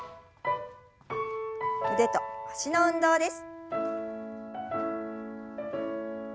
腕と脚の運動です。